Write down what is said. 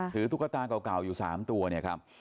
ตุ๊กตาเก่าอยู่๓ตัวเนี่ยครับ